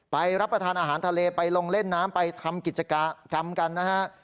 รับประทานอาหารทะเลไปลงเล่นน้ำไปทำกิจกรรมกันนะฮะ